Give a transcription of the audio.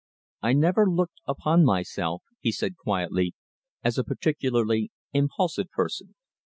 "I never looked upon myself," he said quietly, "as a particularly impulsive person.